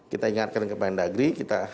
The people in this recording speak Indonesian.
kita ingatkan ke pak mendagri